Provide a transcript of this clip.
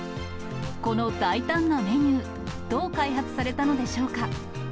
この大胆なメニュー、どう開発されたのでしょうか。